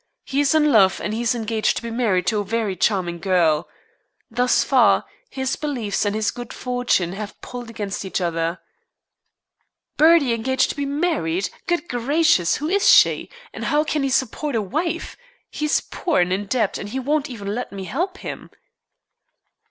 He is in love, and is engaged to be married to a very charming girl. Thus far, his beliefs and his good fortune have pulled against each other." "Bertie engaged to be married! Good gracious! Who is she? And how can he support a wife? He is poor, and in debt, and he won't even let me help him."